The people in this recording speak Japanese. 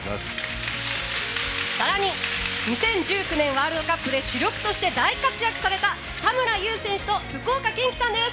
さらに、２０１９年ワールドカップで主力として大活躍された田村優選手と福岡堅樹さんです。